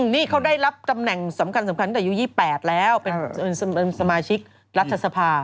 นี่เขาได้รับตำแหน่งสำคัญตั้งแต่อายุ๒๘แล้วเป็นสมาชิกรัฐสภา